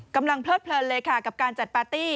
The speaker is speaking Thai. กำลังเพลินเลยกับการจัดปาร์ตี้